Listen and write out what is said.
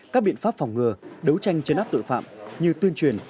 các biện pháp phòng ngừa đấu tranh chấn áp tội phạm như tuyên truyền